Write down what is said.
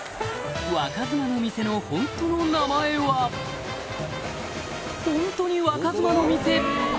若妻の店のホントの名前はホントに「若妻の店」